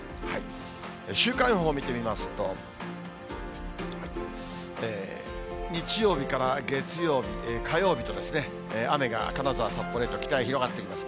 週間予報を見てみますと、日曜日から月曜日、火曜日とですね、雨が金沢、札幌へと、北へ広がっていきます。